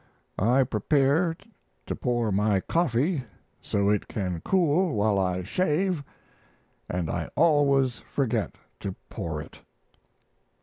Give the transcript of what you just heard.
I prepare to pour my coffee so it can cool while I shave and I always forget to pour it.